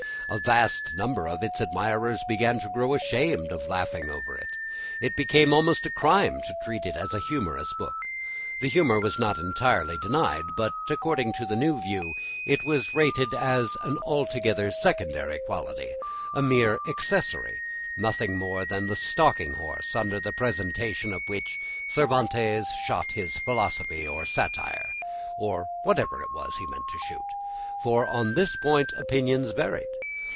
A vast number of its admirers began to grow ashamed of laughing over it. It became almost a crime to treat it as a humorous book. The humour was not entirely denied, but, according to the new view, it was rated as an altogether secondary quality, a mere accessory, nothing more than the stalking horse under the presentation of which Cervantes shot his philosophy or his satire, or whatever it was he meant to shoot; for on this point opinions varied.